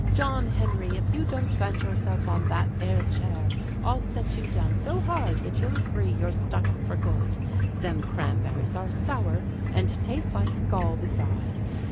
John Henry, If you don't plant yourself on that 'ere chair, I'll set you down so hard that you'll agree You're stuck for good. Them cranberries are sour, And taste like gall beside.